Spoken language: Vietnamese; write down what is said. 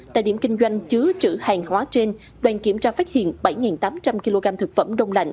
tại điểm kinh doanh chứa trữ hàng hóa trên đoàn kiểm tra phát hiện bảy tám trăm linh kg thực phẩm đông lạnh